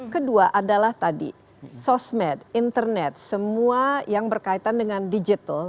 kedua adalah tadi sosmed internet semua yang berkaitan dengan digital